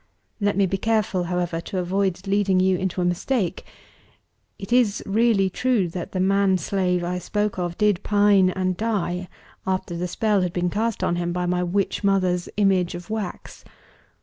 "Let me be careful, however, to avoid leading you into a mistake. It is really true that the man slave I spoke of did pine and die, after the spell had been cast on him by my witch mother's image of wax.